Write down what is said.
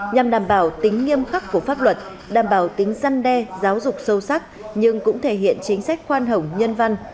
nhằm đảm bảo tính nghiêm khắc của pháp luật đảm bảo tính dân đe giáo dục sâu sắc nhưng cũng thể hiện chính sách khoan hồng nhân văn